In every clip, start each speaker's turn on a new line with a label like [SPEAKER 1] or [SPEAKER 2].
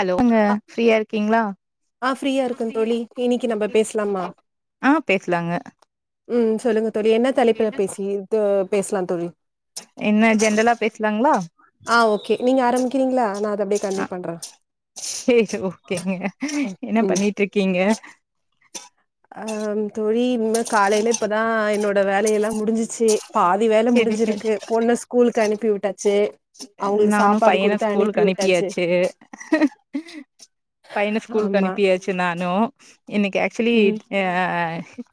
[SPEAKER 1] என்னங்க
[SPEAKER 2] ஆ
[SPEAKER 1] ஃப்ரீயா இருக்கீங்களா
[SPEAKER 2] ஆ ஃப்ரீயா இருக்க தோழி இன்னைக்கு நம்ம பேசலாமா
[SPEAKER 1] ஆ பேசலாங்க
[SPEAKER 2] ம் சொல்லுங்க தோழி என்ன தலைப்புல பேசி தோ பேசலா தோழி
[SPEAKER 1] என்ன ஜென்ரலா பேசலாங்களா
[SPEAKER 2] ஆ ஓகே நீங்க ஆரம்பிக்கிறீங்களா நா அத அப்டியே
[SPEAKER 1] ஆ
[SPEAKER 2] கண்டினியூ பண்றே
[SPEAKER 1] சேரி ஓகேங்க
[SPEAKER 2] ம்
[SPEAKER 1] என்ன
[SPEAKER 2] ம்
[SPEAKER 1] பண்ணிட்ருக்கீங்க
[SPEAKER 2] ஆம் தோழி இனிமே காலைல இப்பதா என்னோட வேலையெல்லா முடிஞ்சிச்சு பாதி வேல
[SPEAKER 1] சேரி சேரி
[SPEAKER 2] முடிஞ்சிருக்கு பொண்ண ஸ்கூலுக்கு அனுப்பி விட்டாச்சு அவங்களுக்கு
[SPEAKER 1] நானு
[SPEAKER 2] சாப்பாடு
[SPEAKER 1] பையன
[SPEAKER 2] குடுத்து அனுப்பி
[SPEAKER 1] ஸ்கூலுக்கு
[SPEAKER 2] விட்டாச்சு
[SPEAKER 1] அனுப்பியாச்சு பையன ஸ்கூலுக்கு
[SPEAKER 2] ஆமா
[SPEAKER 1] அனுப்பியாச்சு நானு இன்னைக்கு ஆக்சுவலி
[SPEAKER 2] ம்
[SPEAKER 1] ஆ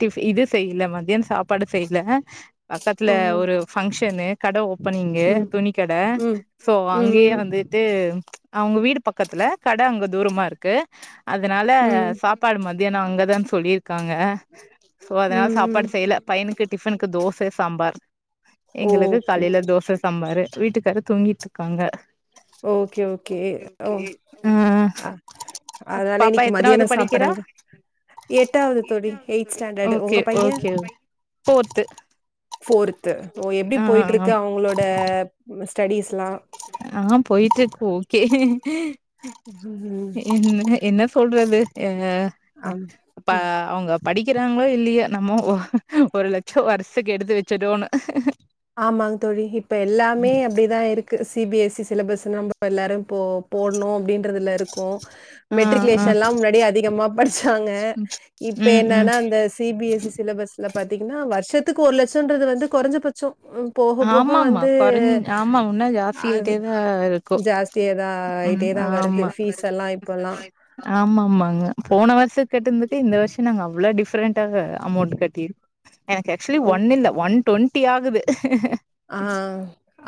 [SPEAKER 1] டிபி இது செய்யல மதியான சாப்பாடு செய்ல
[SPEAKER 2] ஓ
[SPEAKER 1] பக்கத்துல ஒரு பங்க்ஷனு கடை ஓப்பனிங்கு
[SPEAKER 2] ம்
[SPEAKER 1] துணிக் கட
[SPEAKER 2] ம்
[SPEAKER 1] சோ
[SPEAKER 2] ம்
[SPEAKER 1] அங்கேயே
[SPEAKER 2] ம்
[SPEAKER 1] வந் து ட்டு அவங்க வீடு பக்கத்துல கடை அங்க தூரமா இருக்கு அதனால
[SPEAKER 2] ம்
[SPEAKER 1] சாப் சாப்பாடு மதியான அங்கதா சொல்லியிருக்காங்க சோ அதனால
[SPEAKER 2] ம் ம்
[SPEAKER 1] சாப்பாடு செய்யல பையனுக்கு டிஃபனுக்கு தோசை சாம்பார் எங்களுக்கு
[SPEAKER 2] ஓகே
[SPEAKER 1] கலைல தோசை சாம்பாரு வீட்டுக்காரு தூங்கிட்ருக்காங்க
[SPEAKER 2] ஓகே ஓகே ஓ
[SPEAKER 1] ஆ
[SPEAKER 2] ஆ அதால
[SPEAKER 1] பாப்பா
[SPEAKER 2] இன்னைக்கு
[SPEAKER 1] எத்தனாவது
[SPEAKER 2] மதியான
[SPEAKER 1] படிக்கிறா
[SPEAKER 2] சாப்பாடங்க எட்டாவது தோழி எய்ட்த் ஸ்டாண்டர்டு உங்க
[SPEAKER 1] ஓகே
[SPEAKER 2] பைய
[SPEAKER 1] ஓகே ஃபோர்த்து
[SPEAKER 2] போஃர்த்து ஓ எப்டி
[SPEAKER 1] ஆ ஆ
[SPEAKER 2] போயிட்ருக்கு அவுங்களோட ஸ்டடிஸ்லா
[SPEAKER 1] ஆ போயிட்ருக்கு ஓகே
[SPEAKER 2] ம்
[SPEAKER 1] ம் என்ன சொல்றது ஆ
[SPEAKER 2] ஆம்
[SPEAKER 1] இப்ப
[SPEAKER 2] ம்
[SPEAKER 1] அவுங்க படிக்கிறாங்களோ இல்லையோ நம்ம ஒரு லட்ச வருஷக்கு எடுத்து வச்சுடோனு
[SPEAKER 2] ஆமாங் தோழி இப்ப எல்லாமே அப்டிதா இருக் கு C B S Xi syllabus நம்ம எல்லாரும் இப்போ போட்ணு அப்டின்றதுல இருக் கோ
[SPEAKER 1] ஆ ஆ
[SPEAKER 2] மெட்ரிகுலேஷன்லா முன்னாடி அதிகமா படிச்சாங்க இப்ப
[SPEAKER 1] ம் ம்
[SPEAKER 2] என்னான்னா அந்த C B S Xi syllabus ல பாத்தீங்னா வருஷத்துக்கு ஒரு லட்சன்றது வந்து கொறஞ்சபச்சோ போக போக
[SPEAKER 1] ஆமாமா
[SPEAKER 2] வந்து
[SPEAKER 1] கொறஞ் ஆமா உன்னு ஜாஸ்தி
[SPEAKER 2] அது
[SPEAKER 1] ஆயிட்டேதா இருக்கு
[SPEAKER 2] ஜாஸ் தியாதா
[SPEAKER 1] ம்
[SPEAKER 2] ஆயிட்டே தா வருது ஃபீஸெல்லா இப்பெல்லா
[SPEAKER 1] ஆமா ஆமாங்க போன வருஷோ கட்டுனதுக்கே இந்த வருஷ நாங்க அவ்ளோ டிஃப்ரெண்டாக அமௌண்ட் கட்டிருக் எனக்கு ஆக்சுவலி
[SPEAKER 2] ம்
[SPEAKER 1] ஒன் இல்ல ஒன் டுவெண்ட்டி ஆகுது
[SPEAKER 2] ஆஹ்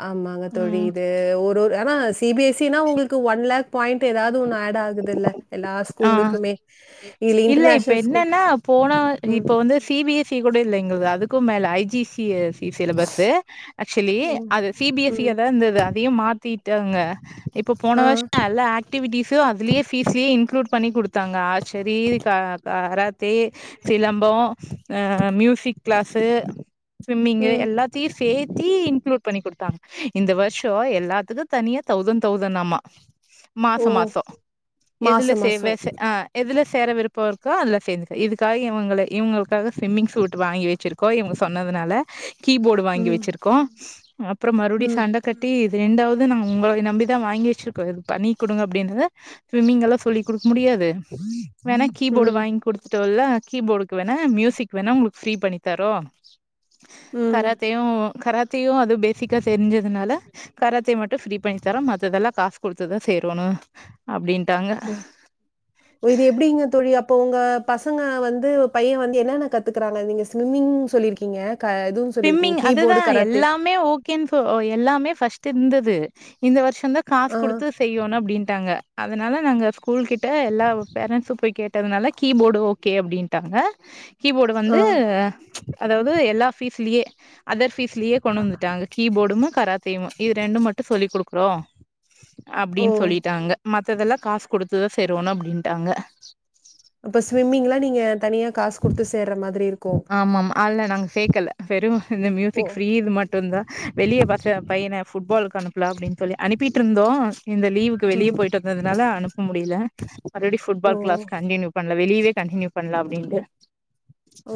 [SPEAKER 2] ஆமாங்க தோழி இது ஒருஒரு ஆனா சி பி எஸ் சி னா உங்களுக்கு ஒன் லேக் பாயிண்ட் எதாவது ஒண்ணு ஆட் ஆகு
[SPEAKER 1] ஆஹ்
[SPEAKER 2] இதுல
[SPEAKER 1] இல்ல இப்ப
[SPEAKER 2] இன்டர்நேஷனல் ஸ்கூல்
[SPEAKER 1] என்னன்னா போன
[SPEAKER 2] ம்
[SPEAKER 1] இப்ப வந்து சி பி எ சி கூட இல்ல எங்கள்து அதுக்கும் மேல I G C C syllabus actually
[SPEAKER 2] ம்
[SPEAKER 1] அது சி பி எஸ் சி
[SPEAKER 2] ம்
[SPEAKER 1] யாதா இருந்தது அதியும் மாத்திட்டாங்க இப்போ
[SPEAKER 2] ஆ
[SPEAKER 1] போன வர்ஷோ எல்லா ஆக்டிவிட்டீஸும் அதுலயே பீஸ்லே இன்க்ளூட் பண்ணி குடுத்தாங்க ஆர்ச்சரி த கராத் தே சிலம்பம் ஆஹ் மியூசிக் கிளாஸு ஸ்விம்மிங்கு
[SPEAKER 2] ம்
[SPEAKER 1] எல்லாத் தி சேத்தி இன்க்ளூட் பண்ணி குடுத்தாங் இந்த வர்ஷோ எல்லாத்துக்கு தனியா தௌசண்ட் தௌசண்ட்னாமா
[SPEAKER 2] ஓ
[SPEAKER 1] மாசோ மாசோ எதுல
[SPEAKER 2] மாச
[SPEAKER 1] சேர்வ
[SPEAKER 2] மாசம்
[SPEAKER 1] ஸ் ஆஹ் எதுல சேர விருப்பம் இருக்கோ அதுல சேர்ந்து இதுக்காக இவுங்கள இவுங்களுக்காக ஸ்விம்மிங் சூட் வாங்கி வச்சிருக் கோ இவங்க சொன்னதுனால கீபோர்டு வாங்கி
[SPEAKER 2] ம்
[SPEAKER 1] வெச்சிருக்கோ அப்புறம் மறுபடியும்
[SPEAKER 2] ம்
[SPEAKER 1] சண்ட கட்டி இது ரெண்டாவது நாங்க உங்கள நம்பி தா வாங்கி வெச்சுருக்கோ இது பண்ணி குடுங்க அப்டின்னது ஸ்விம்மிங் கல்லா சொல்லி் குடுக்க முடியாது வேணா கீபோர்டு
[SPEAKER 2] ம்
[SPEAKER 1] வாய்ங் குடுத் தோட்ல்ல கீபோர்டுக்கு வேணா மியூசிக் வேணா உங்ளுக் ஃப்ரீ பண்ணி தரோ
[SPEAKER 2] ம்
[SPEAKER 1] கராத்தேயு கராத்தேயு அது பேசிக்கா தெரிஞ்சதுனால கராத்தே மட்டும் ஃப்ரீ பண்ணித் தரோம் மத்ததெல்லா காசு குடுத்துதா சேரோணு அப்டின்ட்டாங்க
[SPEAKER 2] ம் இது எப்டிங்க தோழி அப்போ உங்க பசங்க வந்து பையன் வந்து என்னான்ன கத்துக்கறாங்க நீங்க ஸ்விம்மிங்னு சொல்லிருக் கீங்க க இதுவும் சொல்லியிருக்கீங்க,
[SPEAKER 1] ஸ்ம்மிங் அதுதா
[SPEAKER 2] கீபோர்டு, கராத்தே.
[SPEAKER 1] எல்லாமே ஓ கேன் சொ எல்லாமே ஃபர்ஸ்ட்டு இருந்தது இந்த வர்ஷோந்தா காசு
[SPEAKER 2] ஆ,
[SPEAKER 1] குடுத்து செய்யோனு அப்டின்ட்டாங்க அதனால நாங்க ஸ்கூல் கிட்ட எல்லா பேரண்ட்ஸும் போய் கேட்டதுனால கீபோர்டு ஓ கே அப்டின்ட்டாங்க கீபோர்டு வந்து
[SPEAKER 2] ஆ.
[SPEAKER 1] அதாவது எல்லா ஃபீஸ்லியே அதர் ஃபீஸ்லியே கொண்டு வந்துட்டாங்க கீபோடுமு கராத்தேயும் இது ரெண்டும் மட்டும் சொல்லி குடுக்குறோ அப்டின்னு
[SPEAKER 2] ஓ!
[SPEAKER 1] சொல்லிட்டாங்க மத்ததெல்லா காசு குடுத்து தா சேர்வோன அப்டின்ட்டாங்க
[SPEAKER 2] இப்ப ஸ்விம்மிங் எல்லா நீங்க தனியா காசு குடுத்து சேர்ற மாதிரி இரு
[SPEAKER 1] ஆமா ஆமா ஆல்ல நாங்க சேக்கல வெறு இந்த
[SPEAKER 2] ஓ!
[SPEAKER 1] மியூசிக் ஃப்ரீ இது மட் டுந்தா வெளியே ஃபர்ஸ்ட் என் பையன ஃபுட்பாலுக்கு அனுப்புலா அப்டின்னு சொல்லி அனுப்பிட்டு இருந்தோ இந்த லீவுக் கு வெளிய
[SPEAKER 2] ம்.
[SPEAKER 1] போயிட்டு வந்ததுனால அனுப்ப முடியல ஆல்ரெடி
[SPEAKER 2] ஓ!
[SPEAKER 1] ஃபுட்பால் கிளாஸ் கண்டினியூ பண்லா வெளியவே கண்டினியூ பண்லா அப்டின்டு
[SPEAKER 2] ஓ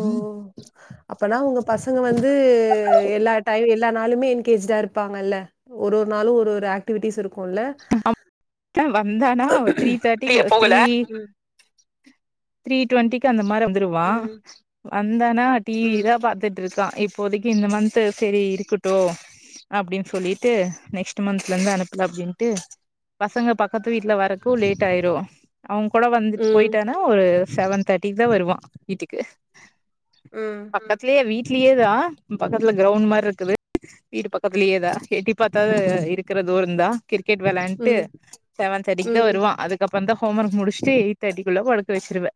[SPEAKER 2] அப்பனா உங்க பசங்க வந்து எல்லா டை எல்லா நாளுமே என்கேஜ்டா இரு ப்பாங்கல்ல ஒரு ஒரு நாளு ஒரு ஒரு ஆக் டிவிட்டீஸ் இருக்கு இல்ல
[SPEAKER 1] வந்தானா த்ரீ தேர்ட்டிக்கு த்ரீ
[SPEAKER 2] ம்
[SPEAKER 1] த்ரீ டுவெண்ட்டிக்கு அந்த மாரி வந்துருவா
[SPEAKER 2] ம்,
[SPEAKER 1] வந்தானா அவ டி விதா
[SPEAKER 2] ம்,
[SPEAKER 1] பாத்துட்ரு தா இப்போதைக்கு இந்த மந்த்து செரி இருக்கட்டு அப்டின் சொல்லிட்டு நெக்ஸ்ட் மந்த்லந்து அனுப்புல அப்டின் டு பசங்க பக்கத்து வீட்ல வரக்கு லேட்டாயிரு அவுங் கூட வந்துட்டு
[SPEAKER 2] ம்,
[SPEAKER 1] போயிட்டானா ஒரு செவன் தேர்ட்டிக்குதா வருவா வீட்டுக்கு
[SPEAKER 2] ம்
[SPEAKER 1] பக்கத்லியே வீட்லியேதா பக்கத்ல கிரவுண்ட் மார்ருக்குது வீடு பக்கத்லியேதா எட்டிப் பாத்தாது இருக்கற தூரந்தா கிரிக்கெட் வெளாண்ட்டு
[SPEAKER 2] ம்,
[SPEAKER 1] செவன் தேர்ட்டிக்குதா
[SPEAKER 2] ம்.
[SPEAKER 1] வருவா அதுக் கப்பந்தா ஹோம் ஒர்க் முடிச்ட்டு எய்ட் தேர்ட்டிகுள்ள படுக்க வச்சிருவே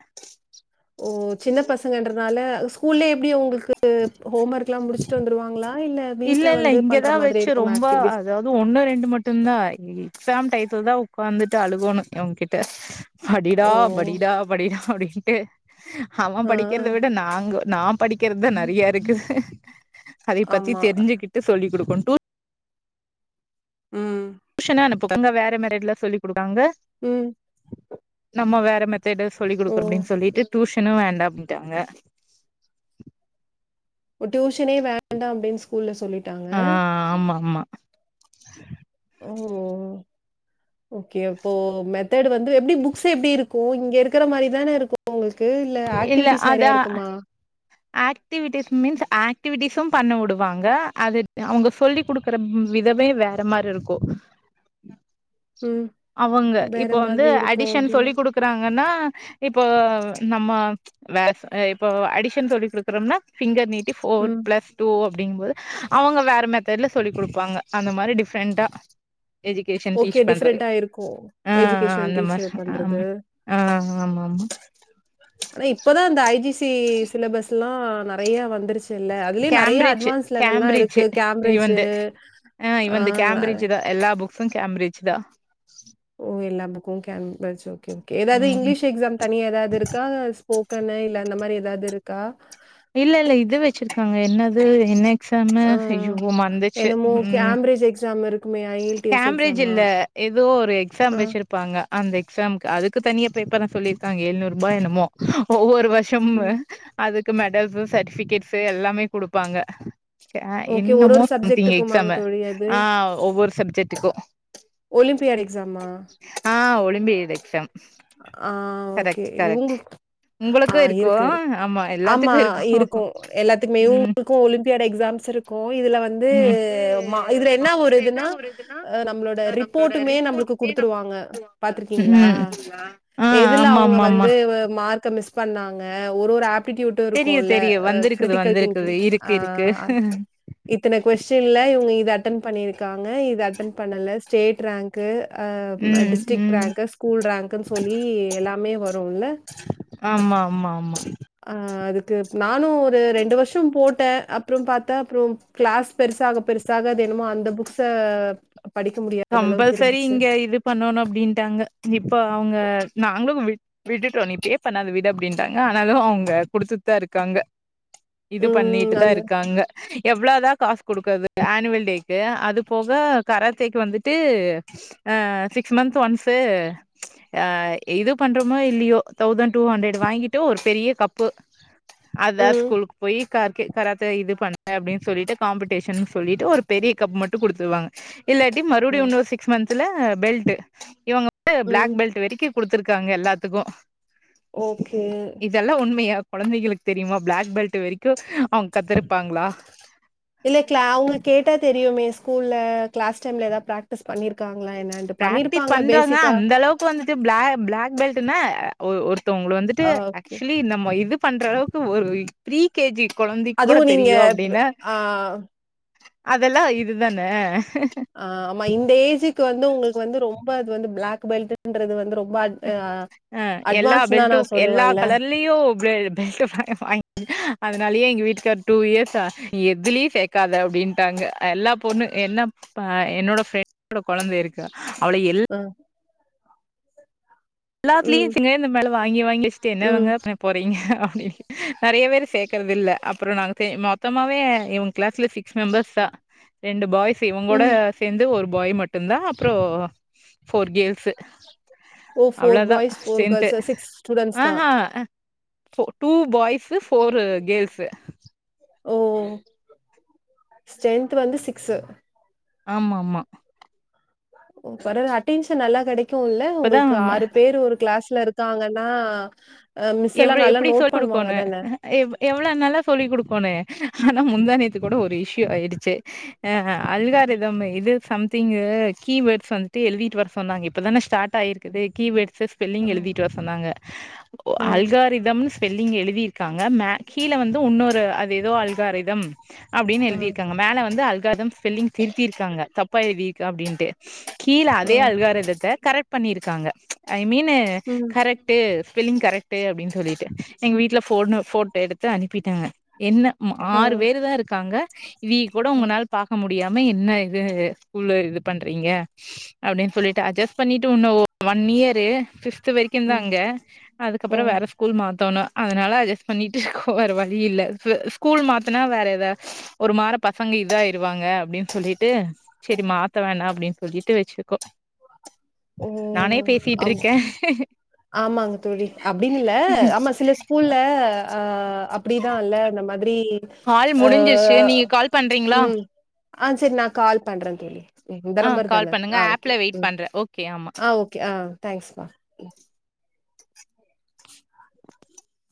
[SPEAKER 2] ஓ சின்ன பசங்கன்றனால ஸ்கூல்லியே எப்டி ஒங்குள்க்கு ஹோம் ஒர்க்லா முடிச்ட்டு வந்துருவாங்ளா ஆ இல்ல
[SPEAKER 1] இல்ல
[SPEAKER 2] வீட்ல
[SPEAKER 1] இல்ல
[SPEAKER 2] வந்து பண்ற
[SPEAKER 1] இங்கதா
[SPEAKER 2] மாதிரி
[SPEAKER 1] வச்சு
[SPEAKER 2] இருக்குமா
[SPEAKER 1] ரொம்ப
[SPEAKER 2] ஆக்டிவிட்டீஸ்?
[SPEAKER 1] அதாவ் து ஒன்னு ரெண்டு மட்டுந்தா எக்ஸாம் டைத்துதா வுக்காந்துட்டு அழுகணு இவங்கிட்ட படிடா
[SPEAKER 2] ஓ!
[SPEAKER 1] படிடா படிடா அப்டின்ட்டு அவ
[SPEAKER 2] ஆ, ஆ.
[SPEAKER 1] படிக்கிறத விட நாங்க நா படிக்கிறதுதா நெறைய இருக்கு அதேபத்
[SPEAKER 2] ஆமா.
[SPEAKER 1] ட்டு சொல்லி குடுக்குன் டூ
[SPEAKER 2] ம்
[SPEAKER 1] ஷுனே அனுப்புங்க அங்க வேற மேரேட்ல சொல்லி குடுக்காங்க
[SPEAKER 2] ம்
[SPEAKER 1] நம்ம வேற மெத்தேடே சொல்லி குடுக்கறம்
[SPEAKER 2] ஓ!
[SPEAKER 1] அப்டின் சொல்லிட்டு டியூஷனு வேண்டா அப்டின் ட்டாங்க
[SPEAKER 2] டியூஷனே வேண்டா அப்டின் ஸ்கூல்ல சொல்லிட்டாங்க
[SPEAKER 1] ஆ ஆமா மா
[SPEAKER 2] ஓ ஓகே அப்போ மெத்தேடு வந்து எப்டி புக்ஸ்சே எப்டி இருக்கு இங்க இருக்கிற மாரிதானே இருக்கு உங்குள்க்கு இல்ல ஆக்டிவிட்டீஸ் நெறைய இருக்குமா
[SPEAKER 1] ஆக்டிவிட்டீஸ் மீன்ஸ் ஆக்டிவிட்டீஸ்ஸும் பண்ண வுடுவாங்க அதுத் அவுங்க சொல்லிக் குடுக்கறப் விதமே வேற மாரி இருக்கு
[SPEAKER 2] ம்
[SPEAKER 1] அவங்க
[SPEAKER 2] வேற
[SPEAKER 1] இப்ப வந்து
[SPEAKER 2] மாதிரி இருக்கும்
[SPEAKER 1] அடிசன்
[SPEAKER 2] அப்படின்னா
[SPEAKER 1] சொல்லி குடுக் க்கறாங்கன்னா இப்போ நம்ம வேஸ் அ இப்போ அடிஷன் சொல்லி குடுக்குரோம்னா ஃபிங்கர் நீட்டி ஃபோர்
[SPEAKER 2] ம்
[SPEAKER 1] பிளஸ் டூ அப்டிங்கும் போது அவங்க வேற மெத்தேட்ல சொல்லி குடுப்பாங்க அந்த மாரி டிஃப்ரெண்ட்டா எஜுகேஷன்
[SPEAKER 2] ஓகே
[SPEAKER 1] டீச் பண்றல
[SPEAKER 2] டிஃப்ரெண்டா இருக்கும்
[SPEAKER 1] அ அ
[SPEAKER 2] எஜுகேஷன்
[SPEAKER 1] அந்த மாரி
[SPEAKER 2] டீச்சர் பண்றது
[SPEAKER 1] ஆமா ஆ ஆமா மா
[SPEAKER 2] ஆனா இப்பதா இந்த ஐ ஜி சி சிலபஸ்லா நெறைய வந்துருச்சு சில்ல அதுலியே நெறைய
[SPEAKER 1] கேம்பிரிட்ஜ்
[SPEAKER 2] அட்வான்ஸ் லெவல்லா
[SPEAKER 1] கேம்பிரிட்ஜ்
[SPEAKER 2] இருக்கு கேம்ரேட்ஜு
[SPEAKER 1] இவன்து
[SPEAKER 2] ஆ
[SPEAKER 1] இவன்து
[SPEAKER 2] வேற
[SPEAKER 1] கேம்பிரிட்ஜ் தா எல்லா புக்ஸு கேம்பிரிட்ஜ்தா
[SPEAKER 2] ஓ எல்லா புக்கு கேம்பிரிட்ஜ் ஓகே ஓகே எதாது
[SPEAKER 1] ம்
[SPEAKER 2] இங்கிலிஷ் எக்ஸாம் தனியா எதாது இருக்கா ஸ்போக்கனு இல்ல அந்த மாரி எதாது இருக்கா
[SPEAKER 1] இல்ல இல்ல இது வெச்சிருக்காங்க என்னது என்ன எக்ஸாமு அயோ
[SPEAKER 2] ஆஹ்
[SPEAKER 1] மறந்துச்சு
[SPEAKER 2] என்னமோ [unintelligible] எக்ஸாம் இருக்குமே ஐஎல்டிஎஸ்
[SPEAKER 1] கேம்ப்ரேட்ஜ்
[SPEAKER 2] எக்ஸாமா
[SPEAKER 1] இல்ல ஏதோ ஒரு எக்ஸாம்
[SPEAKER 2] ஆ
[SPEAKER 1] வச்சிருப் ப்பாங்க அந்த எக்ஸாம்க்கு அதுக்கு தனியா பேப்பர்லா சொல்லிருக்காங்க எழுநூறுபா என்னமோ ஒவ்வொரு வர் சும்ம
[SPEAKER 2] ம்
[SPEAKER 1] அதுக்கு மெடல்ஸு சர்ட்டிஃபிக்கேட்ஸு எல்லாமே குடுப்பாங்க ஆ
[SPEAKER 2] ஓகே ஒரு
[SPEAKER 1] என்னமோ
[SPEAKER 2] ஒரு
[SPEAKER 1] பத்தீங்க
[SPEAKER 2] சப்ஜெக்ட்டுக்கும் வாங்க
[SPEAKER 1] எக்ஸாம
[SPEAKER 2] தோழி அது
[SPEAKER 1] ஆ ஒரு சப்ஜக்ட்டுகு
[SPEAKER 2] ஒலிம்பியாட் எக்ஸாமா
[SPEAKER 1] ஆ ஒலிம்பியிது எக்சாம்
[SPEAKER 2] ஆ ஓகே இவுங்குள்க்கு ஆ இருக்கு ஆமா
[SPEAKER 1] எல்லாத்துக்கு இருக்கு
[SPEAKER 2] இருக்கும் எல்லாத்துக்குமேவு
[SPEAKER 1] ம்
[SPEAKER 2] கு ஒலிம்பியாட் எக்ஸாம்ஸு இருக்கும் இதுல வந்து வந்து மா இதுல என்ன ஒரு இதுன்னா ஆ நம்மளோட ரிப்போர்ட்டுமே நம்பளுக்கு குடுத்துருவாங்க பாத்துருக்கீங்களா
[SPEAKER 1] ம் ஆ
[SPEAKER 2] எதுல
[SPEAKER 1] ஆமா
[SPEAKER 2] அவுங்க
[SPEAKER 1] ஆமா ஆமா
[SPEAKER 2] வந்து வ மார்க்க மிஸ் பண்ணாங்க ஒரு ஒரு ஆப் டியூடூட்டு
[SPEAKER 1] தெரியு
[SPEAKER 2] இருக்கும்ல
[SPEAKER 1] தெரியு
[SPEAKER 2] ஆ
[SPEAKER 1] வந்திருக்குது
[SPEAKER 2] கிரிட்டிக்கல்
[SPEAKER 1] வந்திருக்குது
[SPEAKER 2] திங்கிங்
[SPEAKER 1] இருக்கு
[SPEAKER 2] ஆ
[SPEAKER 1] இருக்கு
[SPEAKER 2] இத்தன கொஸ்டின்ல இவுங்க இத அட்டன் பண்ணியிருக்காங்க இத அட்டன் பண்ணல ஸ்டேட் ரேங்க் க்கு ஆ
[SPEAKER 1] ம்
[SPEAKER 2] டிஸ்ட்ரிக்ட்
[SPEAKER 1] ம்
[SPEAKER 2] ரேங்க்கு ஸ்கூல் ரேங்க்குன்னு சொல்லி எல்லாமே வரும் இல்ல
[SPEAKER 1] ஆமா ஆமா ஆமா
[SPEAKER 2] ஆ அதுக்கு நானும் ஒரு ரெண்டு வருஷம் போட்டே அப்புறம் பாத்தா அப்புறம் கிளாஸ் பெருசாக பெருசாக அது என்னமோ அந்த புக்ஸ படிக்க முடியாதளவுக்கு
[SPEAKER 1] கம்பல்சரி
[SPEAKER 2] இருந்துச்சு
[SPEAKER 1] இங்க இது பண்ணணு அப்டிண்ட்டாங்க இப்ப அவுங்க நாங்களு விட் விட்டுட்டோ நீ இப்டியே பண்ணாத விடு அப்டிண்டாங்க ஆனாலு அவுங்க குடுத்துட்டுதா இருக்காங்க இது
[SPEAKER 2] ம்.
[SPEAKER 1] பண்ணிட்டுதா
[SPEAKER 2] அந்த
[SPEAKER 1] இருக்காங்க எவ்ளோதா காஸ் குடுக்கறது ஆனுவல் டேக்கு அது போக கராத் தேக்கு வந்துட்டு ஆ சிக்ஸ் மந்த் ஒன்ஸு ஆ இது பண்றோமோ இல்லியோ தௌசண்ட் டூ ஹண்ட்ரட் வாங்கிட்டு ஒரு பெரிய கப்பு அதா
[SPEAKER 2] ம்.
[SPEAKER 1] ஸ்கூலுக்கு போய் கார்க்கே கராத்த இது பண்ண அப்டின்னு சொல்லிட்டு காம்படீஷன்னு சொல்லிட்டு ஒரு பெரிய கப் மட்டு குடுத்துருவாங்க இல்லாட்டி மறுபுடியு
[SPEAKER 2] ம்.
[SPEAKER 1] இன்னு சிக்ஸ் மந்த்ல பெல்ட்டு இவங்க வந்து
[SPEAKER 2] ம்.
[SPEAKER 1] பிளாக் பெல்ட் வரைக்கு குடுத்துருக்காங்க எல்லாத்துக்கு
[SPEAKER 2] ஓகே
[SPEAKER 1] இதெல்லா உண்மையா குழந்தைகளுக்கு தெரியுமா பிளாக் பெல்ட்டு வெரைக்கு அவுங்க கத்துருப்பாங்களா
[SPEAKER 2] இல்ல களா அவுங்கள கேட்டா தெரியுமே ஸ்கூல்ல கிளாஸ் டைம்ல ஏதாது பிராக்டிஸ் பண்ணிருக்க
[SPEAKER 1] பிராக்டிஸ் பண்றாங்க அந்தளவுக் வந்துட்டு பிளா பிளாக் பெல்ட்டுனா ஒருத்தவுங்கள வந்துட்டு
[SPEAKER 2] ஆ ஓகே.
[SPEAKER 1] ஆக்சுவலி நம்ம இது பண்றளவுக் கு ஒரு ப்ரீ கேஜி கொழந்தைக் கூட
[SPEAKER 2] அதுவும் நீங்க
[SPEAKER 1] தெரியு
[SPEAKER 2] ப்
[SPEAKER 1] அப்டின்னா
[SPEAKER 2] ஆ
[SPEAKER 1] அதெல்லா இதுதான
[SPEAKER 2] ஆ ஆமா இந்த ஏஜுக்கு வந்து உங்களுக்கு வந்து ரொம்ப அது வந்து பிளாக் பெல்ட்டுன்றது வந்து ரொம்ப அ
[SPEAKER 1] ஆ எல்லா
[SPEAKER 2] அட்வான்ஸ்ன்னு தான்
[SPEAKER 1] பெல்ட்டு
[SPEAKER 2] நான்
[SPEAKER 1] எல்லா
[SPEAKER 2] சொல்லுவேன்ல.
[SPEAKER 1] கலர் லியு பெ பெல்ட்ட [unintelligible] வாங்கிக் அதனாலயே எங்க வீட்டுக்கார் டூ இயர்ஸா எதுலியு க்காது அப்டின்ட்டாங்க எல்லா பொண்ணு என்ன ஆ என்னோட ஃப்ரெண்ட் ஓட கொழந்தை இருக்கு அவள எல்
[SPEAKER 2] ம்
[SPEAKER 1] எல்லாத்துலியு
[SPEAKER 2] ம்.
[SPEAKER 1] [unintelligible] இந்த மேல வாங்கி வாங்கி வச்ட்டு
[SPEAKER 2] ம்.
[SPEAKER 1] என்னவங்க பண் போறீங்க அப்டி நெறைய பேரு சேக்கறது இல்ல அப்புற நாங்க சே மொத்தமாவே இவுங்க கிளாஸ்ல சிக்ஸ் ஸ் மெம்பர்ஸ் தா ரெண்டு பாய்ஸ் இவுங்கூட
[SPEAKER 2] ம்.
[SPEAKER 1] சேந்து ஒரு பாய் மட்டுந்தா அப்புற ஃபோர் கேர்ள்ஸு
[SPEAKER 2] ஓ!
[SPEAKER 1] அவ்ளோதா
[SPEAKER 2] பாய்ஸ்,
[SPEAKER 1] ஸ்டென்த்து
[SPEAKER 2] கேர்ல்ஸ். ஸ்டூடண்ட்ஸ் தான்.
[SPEAKER 1] ஆஹ four two boys four girls
[SPEAKER 2] ஓ ஸ்டரென்த் வந்து சிக்ஸ்ஸு
[SPEAKER 1] ஆமாமா
[SPEAKER 2] பர அட்டென்ஷன் நல்லா கெடைக்குல்ல
[SPEAKER 1] இப்பதான்
[SPEAKER 2] உங்களுக்கு
[SPEAKER 1] ம
[SPEAKER 2] ஆறு பேரு ஒரு கிளாஸ்ல இருக்காங்கன்னா அ மிஸ் எல்லா
[SPEAKER 1] எவ்ள
[SPEAKER 2] நல்லா
[SPEAKER 1] எப்டி
[SPEAKER 2] நோட்
[SPEAKER 1] சொல்லிக் குடுக்கோணும்.
[SPEAKER 2] பண்ணுவாங்கதான
[SPEAKER 1] எவ் எவ்ளா நல்லா சொல்லி் குடுக்கோனு ஆனா முந்தா நேத்து கூட ஒரு இஷ்யூ ஆயிடுச்சு அ அல்காரிதம் இது சம்திங்கு கீவேர்ட்ஸ் வந்துட்டு எழுதிட்டு வர சொன்னாங்க இப்பதான ஸ்டாட் ஆயிருக்குது கீவேட்சஸ் ஸ்பெல்லிங்
[SPEAKER 2] ம்,
[SPEAKER 1] எழுதிட்டு வர சொன்னாங்க
[SPEAKER 2] ம்,
[SPEAKER 1] அல்காரிதம் ஸ்பெல்லிங் எழுதிருக்காங்க மேக் கீழ வந்து உன்னொரு அது எதோ அல்காரிதம் அப்டின்னு
[SPEAKER 2] ம்,
[SPEAKER 1] எழுதிருக்காங்க மேலே வந்து அல்கார்தம் ஸ்பெல்லிங் திருத்திருக்காங்க தப்பா எழுதிருக்கா அப்டின்ட்டு கீழே அதே
[SPEAKER 2] ம்,
[SPEAKER 1] அல்காரிதத்த கரெட் பண்ணிருக்காங்க ஐ மீனு
[SPEAKER 2] ம்,
[SPEAKER 1] கரெட் டு ஸ்பெல்லிங் கரெட்டு அப்டின் சொல்லீட்டு எங்க வீட்ல ஃபோனு போட்டோ எடு த்து அனுப்பிட்டாங்க என்ன ம ஆறு
[SPEAKER 2] ம்,
[SPEAKER 1] பேரு தா இருக்காங்க இவீக்கூடம்
[SPEAKER 2] ம்,
[SPEAKER 1] உங்கனால பாக்க மு டியாம என்ன இது ஸ்கூல்ல இது பண்றீங்க அப்டின் சொல்லீட்டு அட்ஜஸ் பண்ணீட்டு உன்னு ஒன் இயரு ஃப்ஃப்த் வரைக்குந்தா
[SPEAKER 2] ம்.
[SPEAKER 1] அங்க
[SPEAKER 2] ஓ!
[SPEAKER 1] அதுகப்றோ வேற ஸ்கூல் மாத்தோணு அதனால அட்ஜஸ்ட் பண்ணிட்டு இருக்கோ வேற வழியில்ல ப் ஸ்கூல் மாத்துனா வேற எதா ஒருமார பசங்க இதா ஆயிருவாங்க அப்டின் சொல்லீட்டு செரி மாத்த வேண்டா அப்டின் சொல்லீட்டு வெச்சிருக்கோ
[SPEAKER 2] ஓ!
[SPEAKER 1] நானே
[SPEAKER 2] அம்
[SPEAKER 1] பேசிட்ருக்கே
[SPEAKER 2] ஆமாங்க தோழி அப்டின்னில்ல ஆமா சில ஸ்கூல்ல அ அப்டிதா இல்ல இந்த மாதிரி
[SPEAKER 1] கால்
[SPEAKER 2] ஆ
[SPEAKER 1] முடிஞ்சிருச்சு நீங்க கால் பண்றீங்களா
[SPEAKER 2] ம் ஆ செரி நா கால் பண்றந்தோழி இந்த
[SPEAKER 1] ஆ
[SPEAKER 2] நம்பர்
[SPEAKER 1] கால்
[SPEAKER 2] தான
[SPEAKER 1] பண்ணுங்க
[SPEAKER 2] ஆ ஓகே
[SPEAKER 1] ஆப்ல வெயிட் பண்றே ஓகே ஆமா
[SPEAKER 2] ஆ ஓகே ஆ தேங்க்ஸ்ப்பா